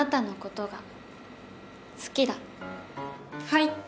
はい。